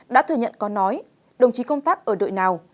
đã thừa nhận có nói đồng chí công tác ở đội nào